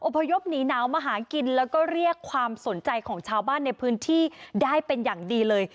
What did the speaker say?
พยพหนีหนาวมาหากินแล้วก็เรียกความสนใจของชาวบ้านในพื้นที่ได้เป็นอย่างดีเลย